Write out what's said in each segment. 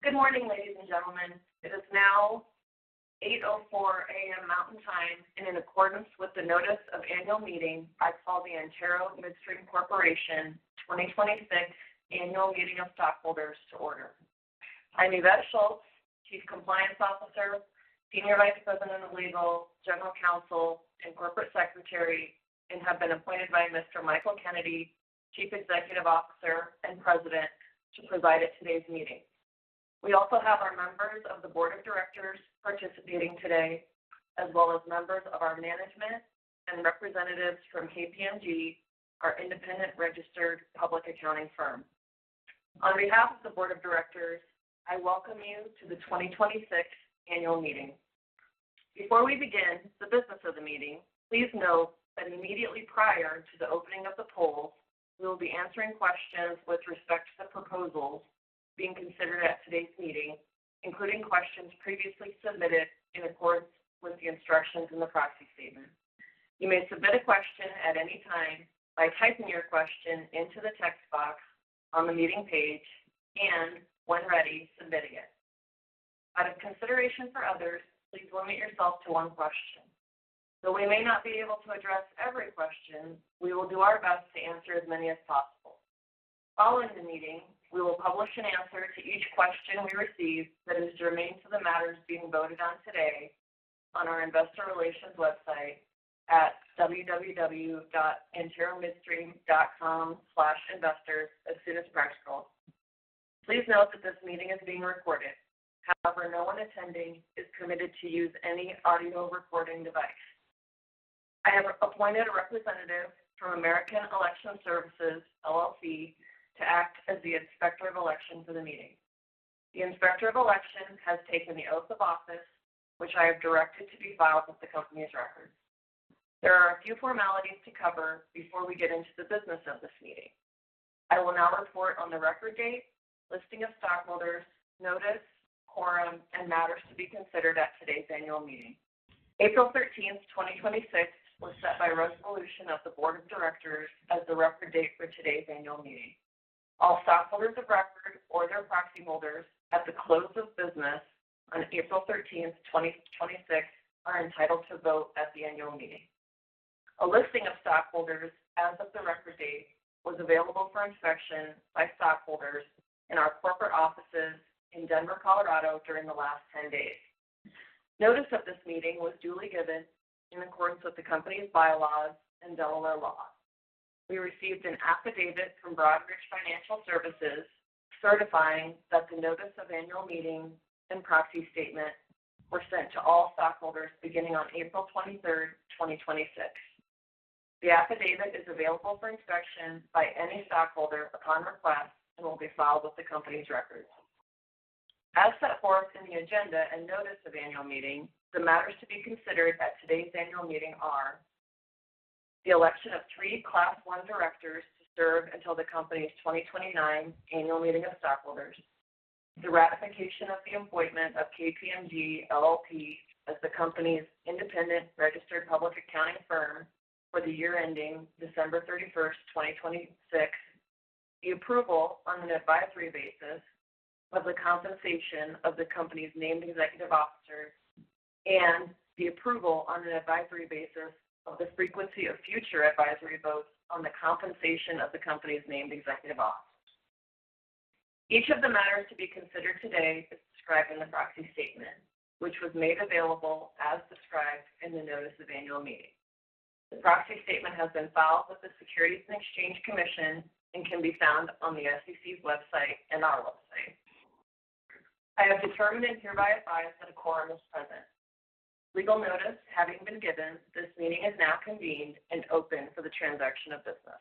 Good morning, ladies and gentlemen. It is now 8:04 A.M. Mountain Time, and in accordance with the notice of annual meeting, I call the Antero Midstream Corporation 2026 Annual Meeting of Stockholders to order. I'm Yvette Schultz, Chief Compliance Officer, Senior Vice President of Legal, General Counsel, and Corporate Secretary, and have been appointed by Mr. Michael Kennedy, Chief Executive Officer and President, to preside at today's meeting. We also have our members of the Board of Directors participating today, as well as members of our management and representatives from KPMG, our independent registered public accounting firm. On behalf of the Board of Directors, I welcome you to the 2026 Annual Meeting. Before we begin the business of the meeting, please note that immediately prior to the opening of the polls, we will be answering questions with respect to the proposals being considered at today's meeting, including questions previously submitted in accordance with the instructions in the proxy statement. You may submit a question at any time by typing your question into the text box on the meeting page and, when ready, submitting it. Out of consideration for others, please limit yourself to one question. Though we may not be able to address every question, we will do our best to answer as many as possible. Following the meeting, we will publish an answer to each question we receive that is germane to the matters being voted on today on our investor relations website at www.anteromidstream.com/investors as soon as practical. Please note that this meeting is being recorded. However, no one attending is permitted to use any audio recording device. I have appointed a representative from American Election Services, LLC, to act as the inspector of elections of the meeting. The inspector of elections has taken the oath of office, which I have directed to be filed with the company's records. There are a few formalities to cover before we get into the business of this meeting. I will now report on the record date, listing of stockholders, notice, quorum, and matters to be considered at today's annual meeting. April 13th, 2026, was set by resolution of the board of directors as the record date for today's annual meeting. All stockholders of record or their proxy holders at the close of business on April 13th, 2026, are entitled to vote at the annual meeting. A listing of stockholders as of the record date was available for inspection by stockholders in our corporate offices in Denver, Colorado, during the last 10 days. Notice of this meeting was duly given in accordance with the company's bylaws and Delaware law. We received an affidavit from Broadridge Financial Solutions certifying that the notice of annual meeting and proxy statement were sent to all stockholders beginning on April 23rd, 2026. The affidavit is available for inspection by any stockholder upon request and will be filed with the company's records. As set forth in the agenda and notice of annual meeting, the matters to be considered at today's annual meeting are the election of three Class I directors to serve until the company's 2029 Annual Meeting of Stockholders, the ratification of the appointment of KPMG LLP as the company's independent registered public accounting firm for the year ending December 31st, 2026, the approval on an advisory basis of the compensation of the company's named executive officers, and the approval on an advisory basis of the frequency of future advisory votes on the compensation of the company's named executive officers. Each of the matters to be considered today is described in the proxy statement, which was made available as described in the notice of annual meeting. The proxy statement has been filed with the Securities and Exchange Commission and can be found on the SEC's website and our website. I have determined and hereby advise that a quorum is present. Legal notice having been given, this meeting is now convened and open for the transaction of business.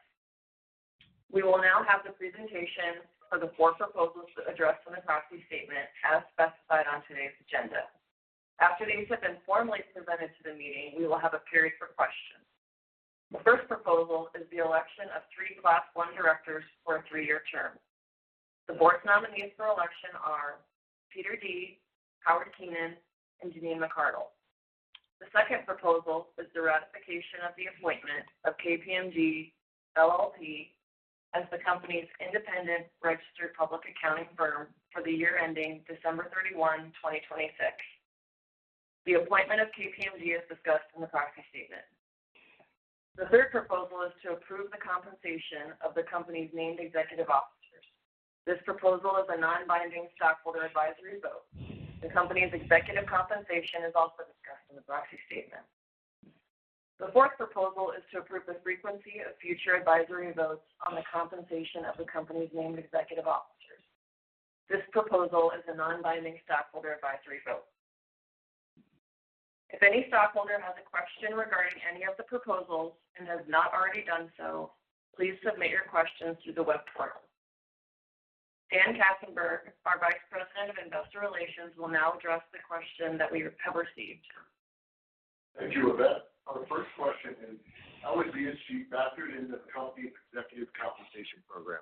We will now have the presentation of the 4 proposals addressed in the proxy statement as specified on today's agenda. After these have been formally presented to the meeting, we will have a period for questions. The first proposal is the election of 3 Class 1 directors for a 3-year term. The board's nominees for election are Peter Dea, Howard Keenan, and Janine McArdle. The second proposal is the ratification of the appointment of KPMG LLP as the company's independent registered public accounting firm for the year ending December 31, 2026. The appointment of KPMG is discussed in the proxy statement. The third proposal is to approve the compensation of the company's named executive officers. This proposal is a non-binding stockholder advisory vote. The company's executive compensation is also discussed in the proxy statement. The fourth proposal is to approve the frequency of future advisory votes on the compensation of the company's named executive officers. This proposal is a non-binding stockholder advisory vote. If any stockholder has a question regarding any of the proposals and has not already done so, please submit your questions through the web portal. Dan Katzenberg, our Vice President of Investor Relations, will now address the question that we have received. Thank you, Yvette. Our first question is, how is ESG factored into the company's executive compensation program?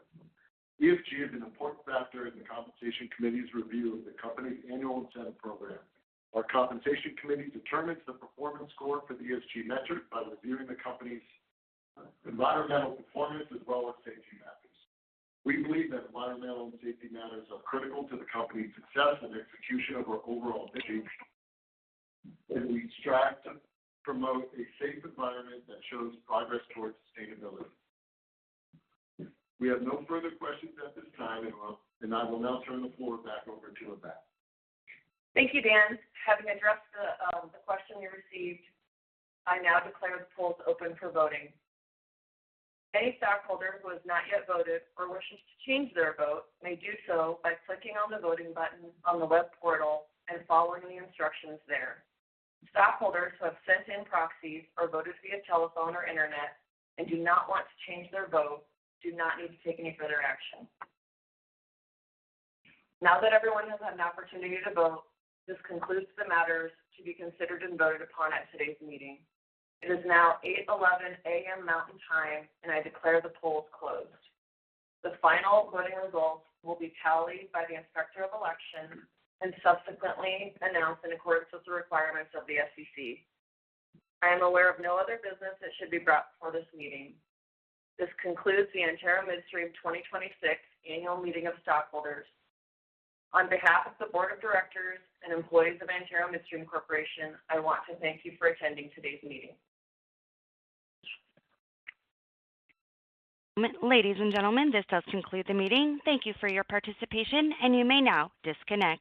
ESG is an important factor in the Compensation Committee's review of the company's annual incentive program. Our Compensation Committee determines the performance score for the ESG metric by reviewing the company's environmental performance as well as safety matters. We believe that environmental and safety matters are critical to the company's success and execution of our overall vision, and we strive to promote a safe environment that shows progress towards sustainability. We have no further questions at this time, and I will now turn the floor back over to Yvette. Thank you, Dan. Having addressed the question we received, I now declare the polls open for voting. Any stockholder who has not yet voted or wishes to change their vote may do so by clicking on the voting button on the web portal and following the instructions there. Stockholders who have sent in proxies or voted via telephone or internet and do not want to change their vote do not need to take any further action. Now that everyone has had an opportunity to vote, this concludes the matters to be considered and voted upon at today's meeting. It is now 8:11 A.M. Mountain Time, and I declare the polls closed. The final voting results will be tallied by the inspector of elections and subsequently announced in accordance with the requirements of the SEC. I am aware of no other business that should be brought before this meeting. This concludes the Antero Midstream 2026 Annual Meeting of Stockholders. On behalf of the board of directors and employees of Antero Midstream Corporation, I want to thank you for attending today's meeting. Ladies and gentlemen, this does conclude the meeting. Thank you for your participation. You may now disconnect.